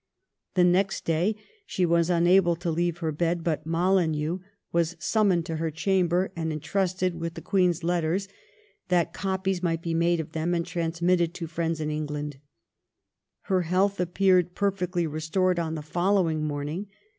The next day she was unable to leave her bed ; but Molyneux T 2 276 THE REIGN OF QUEEN ANNE. ch. xxxiii. was summoned to her chamber and entrusted with the Queen's letters, that copies might be made of them and transmitted to friends in England. Her health appeared perfectly restored on the following morning.